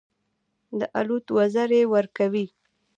د الوت وزرې ورکوي.